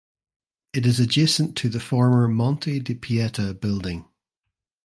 It is adjacent to the former Monte de Pieta building.